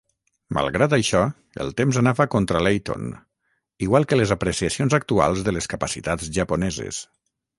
Malgrat això, el temps anava contra Layton, igual que les apreciacions actuals de les capacitats japoneses.